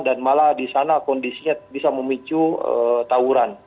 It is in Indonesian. dan malah di sana kondisinya bisa memicu tawuran